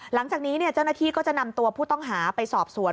หลังจากนี้เจ้าหน้าที่ก็จะนำตัวผู้ต้องหาไปสอบสวน